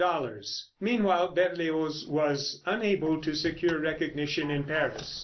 Meanwhile Berlioz was unable to secure recognition in Paris.